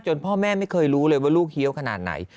พ่อแม่ไม่เคยรู้เลยว่าลูกเฮียวขนาดไหน